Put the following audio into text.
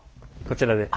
こちらで。